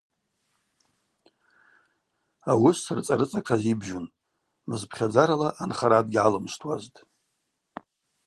Ауыс рыцӏа-рыцӏа тшазибжьун, мызпхьадзарала анхара дгьгӏалымшвтуазтӏ.